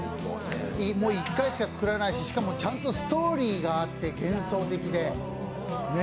もう一回しか作らないししかもストーリーがあって幻想的で。